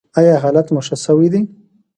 ایا حالت مو ښه شوی دی؟